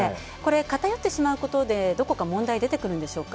偏ってしまうことでどこか問題出てくるんでしょうか？